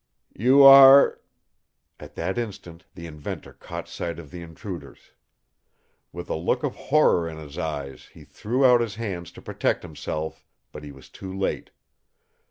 "You are " At that instant the inventor caught sight of the intruders. With a look of horror in his eyes he threw out his hands to protect himself, but he was too late.